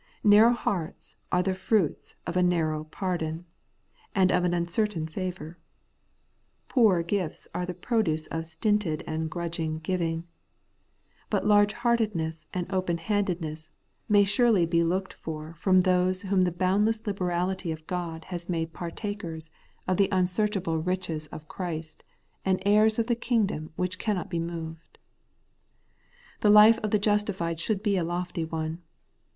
Narrow hearts are the fruits of a narrow pardon, and of an uncertain favour; poor gifts are the produce of stinted and grudging giving; but large heartedness and open handedness may surely be looked for from those whom the boundless liberality of God has made The Holy Life of the Justified, 201 partakers of the unsearchable riches of Christ, and heirs of the kingdom which cannot be moved. The life of the justified should be a lofty one.